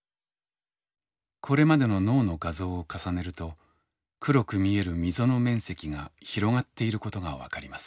これまでの脳の画像を重ねると黒く見える溝の面積が広がっていることが分かります。